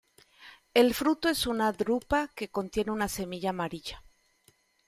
El fruto es una drupa que contiene una semilla amarilla.